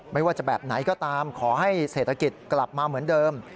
ไม่ว่าจะแบบไหนก็ตามขอให้เศรษฐกิจกลับมาเหมือนเดิม